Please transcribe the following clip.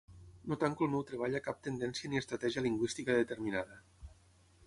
No tanco el meu treball a cap tendència ni estratègia lingüística determinada.